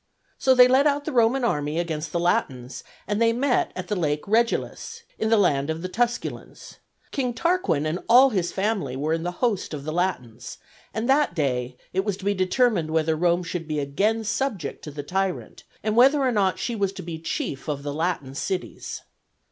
So they led out the Roman army against the Latins, and they met at the Lake Regillus, in the land of the Tusculans. King Tarquin and all his family were in the host of the Latins; and that day it was to be determined whether Rome should be again subject to the tyrant and whether or not she was to be chief of the Latin cities.